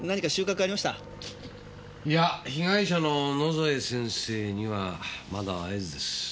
いや被害者の野添先生にはまだ会えずです。